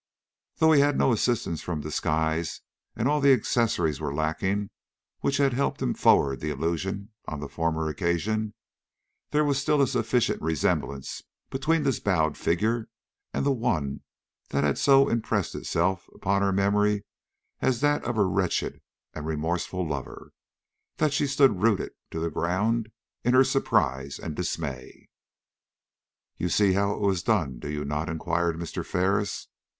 Though he had no assistance from disguise and all the accessories were lacking which had helped forward the illusion on the former occasion, there was still a sufficient resemblance between this bowed figure and the one that had so impressed itself upon her memory as that of her wretched and remorseful lover, that she stood rooted to the ground in her surprise and dismay. "You see how it was done, do you not?" inquired Mr. Ferris.